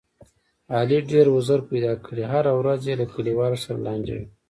علي ډېر وزر پیدا کړي، هره ورځ یې له کلیوالو سره لانجه وي.